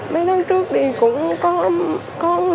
mấy tháng trước thì cũng có người cho rau nhiều